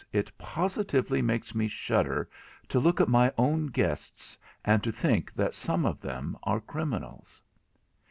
It positively makes me shudder to look at my own guests, and to think that some of them are criminals.'